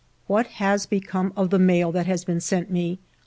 What has become of the mail that has been sent me?